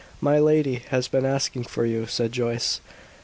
"My lady has been asking for you," said Joyce.